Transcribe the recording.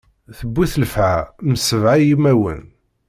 Tewwi-t llefɛa, m sebɛa yimawen.